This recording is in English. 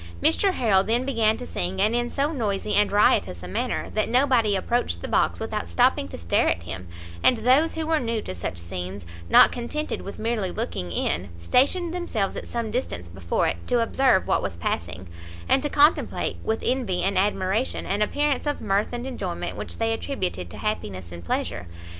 Mr Harrel then began to sing, and in so noisy and riotous a manner, that nobody approached the box without stopping to stare at him; and those who were new to such scenes, not contented with merely looking in, stationed themselves at some distance before it, to observe what was passing, and to contemplate with envy and admiration an appearance of mirth and enjoyment which they attributed to happiness and pleasure!